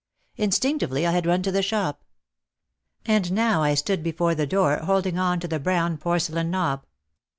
Instinctively I had run to the shop. And now I stood before the door holding on to the brown porcelain knob.